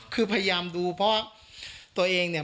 คือพยายามดูเพราะตัวเองเนี่ย